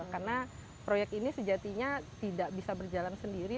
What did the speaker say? karena project ini sejatinya tidak bisa berjalan sendiri